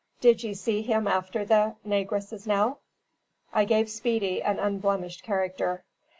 "Did ye see him after the naygresses now?" I gave Speedy an unblemished character.